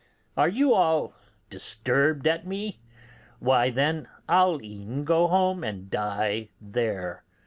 Are you all disturbed at me? Why, then I'll e'en go home and die there.